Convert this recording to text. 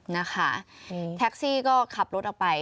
นะคะแท็กซี่ก็ขับรถออกไป